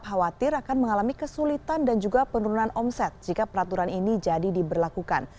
khawatir akan mengalami kesulitan dan juga penurunan omset jika peraturan ini jadi diberlakukan